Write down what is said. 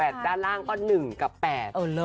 ๑๖๘ด้านล่างก็๑๘